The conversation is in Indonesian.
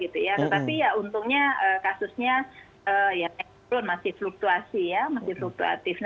tetapi untungnya kasusnya masih fluktuatif